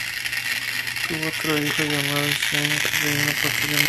Tuvo otro hijo, llamado Xian, que reinó posteriormente.